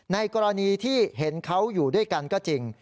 ในกรณีที่เห็นเขาอยู่ด้วยกันก็จริง